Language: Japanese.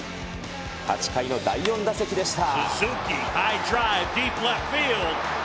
８回の第４打席でした。